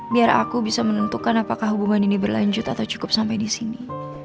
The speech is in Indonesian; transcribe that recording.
biar aku bisa menentukan apakah hubungan ini berlanjut atau cukup sampai di sini